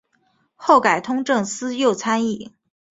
后改通政司右参议。